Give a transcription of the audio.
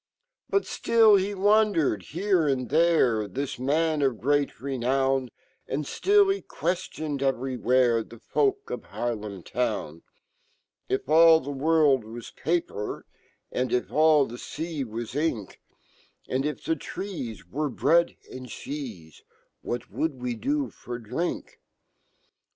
Butftill hewandered here and fhere*, That man of great renown, And rtill he queftioned everywhere, The folk of Haarlem town: " If all fhe world was paper, And if all fhe feawaj ink, And if fhe trees were bread and cheeje, What would we do for drink?